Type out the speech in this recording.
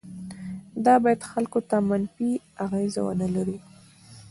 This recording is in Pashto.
دا باید خلکو ته منفي اغیز ونه لري.